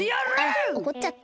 あらおこっちゃった。